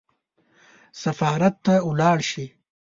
سفارت ته ولاړ شي.